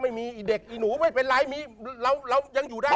ไม่มีอีเด็กอีหนูไม่เป็นไรมีเรายังอยู่ได้